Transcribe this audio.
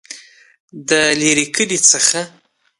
دلیري کلي څخه